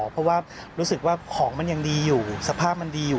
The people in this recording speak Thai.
เพราะว่ารู้สึกว่าของมันยังดีอยู่สภาพมันดีอยู่